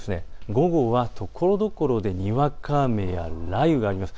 午後はところどころでにわか雨や雷雨があります。